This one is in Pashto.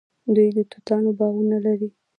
دوی د توتانو باغونه لري.